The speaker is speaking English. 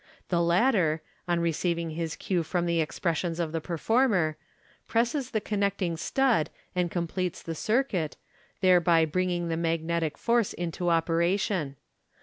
The latter, on receiving his cue from the expressions of the performer, presses the connecting stud and completes the circuit, thereby bring ing the magnetic force into operation.